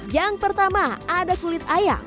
yang pertama ada kulit ayam